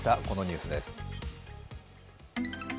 このニュースです。